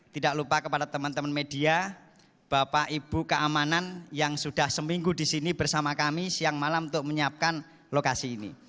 tidak lupa kepada teman teman media bapak ibu keamanan yang sudah seminggu di sini bersama kami siang malam untuk menyiapkan lokasi ini